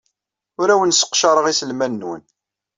Ur awen-sseqcareɣ iselman-nwen.